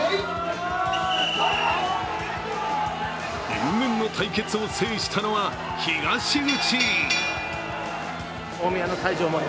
因縁の対決を制したのは東口！